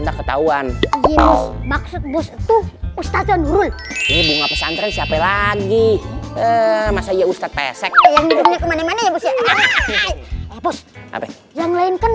maksud bos itu ustazah nurul bunga pesantren siapa lagi masa ya ustaz pesek yang lain kan